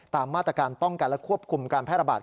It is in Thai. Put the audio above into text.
ตามมาตรการป้องกันและควบคุมการแพร่ระบาด